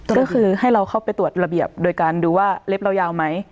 ก็คือให้เราเข้าไปตรวจระเบียบโดยการดูว่าเล็บเรายาวไหม